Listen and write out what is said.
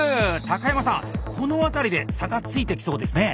山さんこの辺りで差がついてきそうですね。